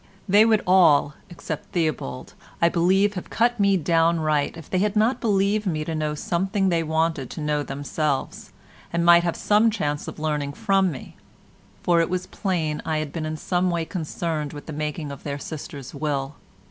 They would all, except Theobald, I believe have cut me downright if they had not believed me to know something they wanted to know themselves, and might have some chance of learning from me—for it was plain I had been in some way concerned with the making of their sister's will.